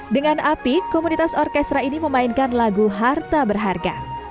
dengan api komunitas orkestra ini memainkan lagu harta berharga